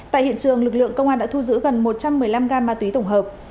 tại hiện trường lực lượng công an đã thu giữ gần một trăm một mươi năm gam ma túy tổng hợp